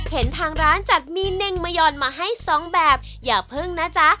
เห็นทางร้านจัดมีเน่งมะยอนมาให้สองแบบอย่าพึ่งนะจ๊ะ